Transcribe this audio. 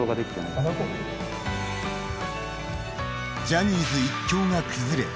ジャニーズ一強が崩れ